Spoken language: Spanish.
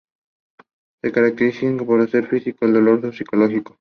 Se caracteriza por hacer físico el dolor psicológico.